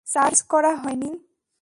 Charge করা হয়নি।